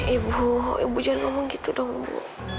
ibu ibu jangan ngomong gitu dong bu